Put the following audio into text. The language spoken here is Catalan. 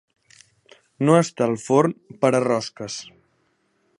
No estar el forn per a rosques.